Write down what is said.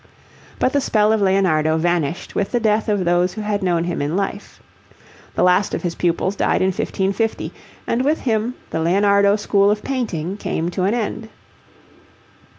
But the spell of Leonardo vanished with the death of those who had known him in life. The last of his pupils died in 1550, and with him the Leonardo school of painting came to an end.